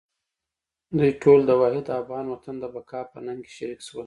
دوی ټول د واحد افغان وطن د بقا په ننګ کې شریک شول.